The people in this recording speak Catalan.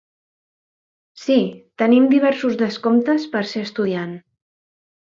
Sí, tenim diversos descomptes per ser estudiant.